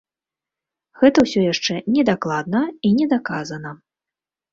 Гэта ўсё яшчэ не дакладна і не даказана.